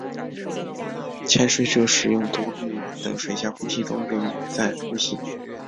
潜水者使用独立的水下呼吸装置以在呼吸。